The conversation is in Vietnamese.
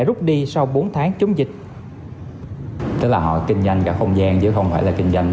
rút đi sau bốn tháng chống dịch tức là họ kinh doanh cả không gian chứ không phải là kinh doanh